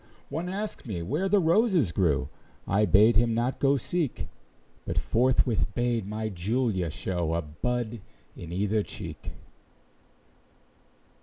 One asked me where the roses grew; I bade him not go seek, But forthwith bade my Julia show A bud in either cheek.